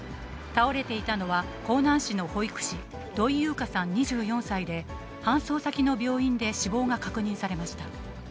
倒れていたのは、江南市の保育士、土井祐佳さん２４歳で、搬送先の病院で死亡が確認されました。